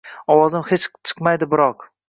Ovozim hech chiqmaydi biroq.